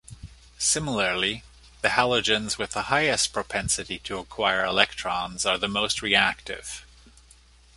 Similarly, the halogens with the highest propensity to acquire electrons are the most reactive.